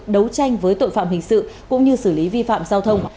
đấu tranh với tội phạm hình sự cũng như xử lý vi phạm giao thông